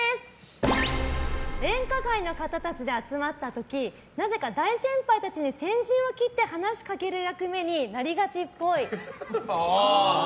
演歌界の方たちで集まった時なぜか、大先輩たちに先陣を切って話しかける役目になりがちっぽい。